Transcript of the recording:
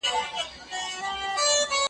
محتسب وړی قلم له نجونو .